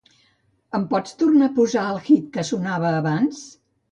Em pots tornar a posar el hit que sonava abans?